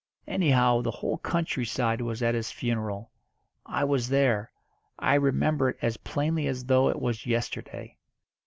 Anyhow, the whole country side was at his funeral. I was there. I remember it as plainly as though it was yesterday."